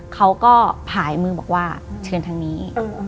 เขาก็ผ่ายมือบอกว่าเชิญทางนี้